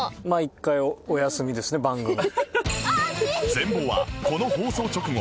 全貌はこの放送直後